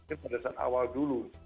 mungkin pada saat awal dulu